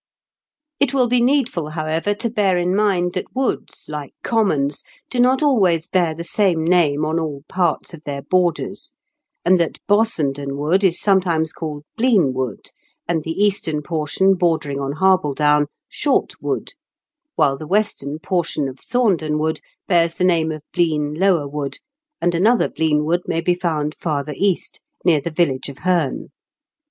It will be needful, however, to bear in mind that woods, like commons, do not always bear the same name on all parts of their borders ; and that Bossenden Wood is sometimes called Blean Wood, and the eastern portion, bordering on Harbledown, Short Wood, while the western portion of Thomden Wood bears the name of Blean Lower Wood, and another Blean Wood may be found farther east, near the village of Heme.